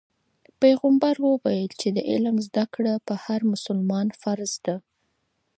پیغمبر وویل چې د علم زده کړه په هر مسلمان فرض ده.